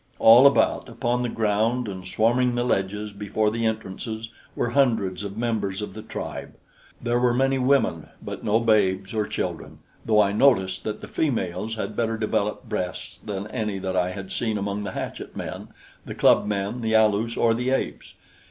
All about, upon the ground and swarming the ledges before the entrances, were hundreds of members of the tribe. There were many women but no babes or children, though I noticed that the females had better developed breasts than any that I had seen among the hatchet men, the club men, the Alus or the apes.